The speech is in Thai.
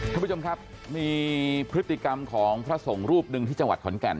ท่านผู้ชมครับมีพฤติกรรมของพระสงฆ์รูปหนึ่งที่จังหวัดขอนแก่น